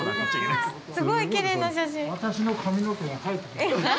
すごいきれいな写真。